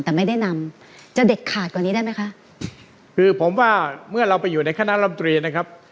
แต่ไม่ได้นำจะเด็ดขาดกว่านี้ได้ไหมคะคือผมว่าเมื่อเราไปอยู่ในคณะลำตรีนะครับ